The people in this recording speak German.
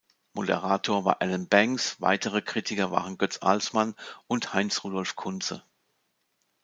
Moderator war Alan Bangs, weitere Kritiker waren Götz Alsmann und Heinz-Rudolf Kunze.